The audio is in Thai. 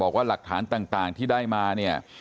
หลักฐานต่างที่ได้มาเนี่ย